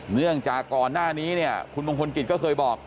เนื่องจากก่อนหน้านี้เนี่ยคุณมงคลกิจก็เคยบอก